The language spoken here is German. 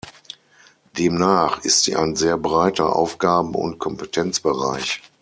Demnach ist sie ein sehr breiter Aufgaben- und Kompetenzbereich.